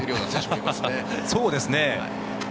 そうですね。